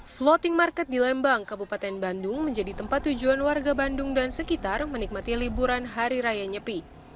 floating market di lembang kabupaten bandung menjadi tempat tujuan warga bandung dan sekitar menikmati liburan hari raya nyepi